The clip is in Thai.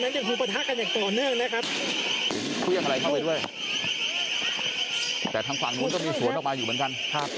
คุณผู้ชมอยู่กับทางกลุ่มวนชน